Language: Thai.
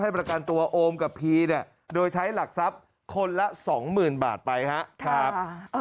ประกันตัวโอมกับพีเนี่ยโดยใช้หลักทรัพย์คนละสองหมื่นบาทไปครับ